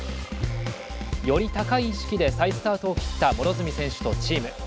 より高い意識で再スタートを切った両角選手とチーム。